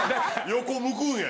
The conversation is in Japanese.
横向くんや。